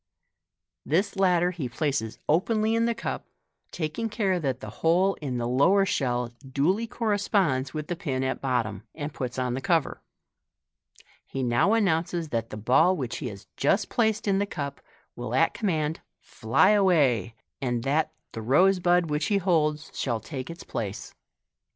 This latter he places openly in the cup, taking care that the hole in the lower shell duly corresponds with the pin at bottom, and puts on the cover. He now announces that the ball which he has just placed in the cup will at commaud fly away, and that the rose bud which he holds shall take its place.